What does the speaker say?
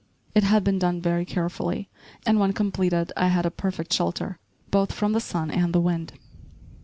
It had been done very carefully, and, when completed, I had a perfect shelter, both from the sun and the wind.